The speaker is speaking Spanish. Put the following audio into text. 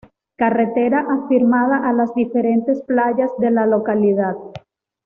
Carretera afirmada a las diferentes playas de la localidad.